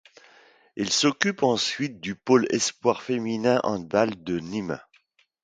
Il s'occupe ensuite du Pole espoir féminin handball de Nîmes.